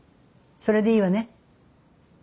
それでいいわね。